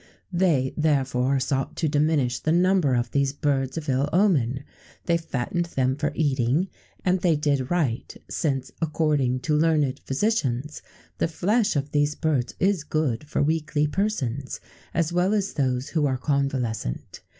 They therefore sought to diminish the number of these birds of ill omen; they fattened them for eating, and they did right, since, according to learned physicians, the flesh of these birds is good for weakly persons, as well as those who are convalescent.